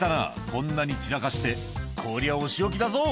こんなに散らかしてこりゃお仕置きだぞ！